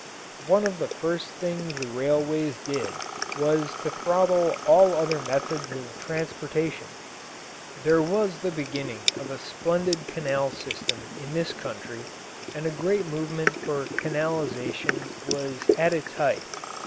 One of the first things the railways did was to throttle all other methods of transportation. There was the beginning of a splendid canal system in this country and a great movement for canalization was at its height.